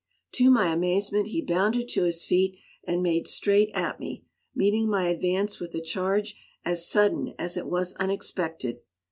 To my amazement he bounded to his feet and made straight at me, meeting my advance with a charge as sudden as it was unexpected.